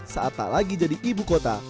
saat tak lagi jadi ibu kota